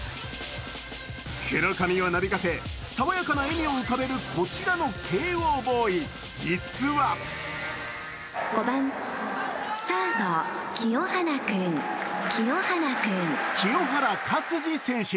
黒髪をなびかせ、爽やかな笑みを浮かべるこちらの慶応ボーイ、実は清原勝児選手。